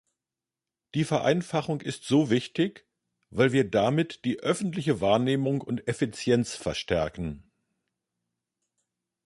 Die Vereinfachung ist so wichtig, weil wir damit die öffentliche Wahrnehmung und Effizienz verstärken.